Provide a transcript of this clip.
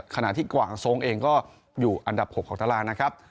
ขณะที่กว่างทรงเองก็อยู่อันดับ๖ของตารางนะครับ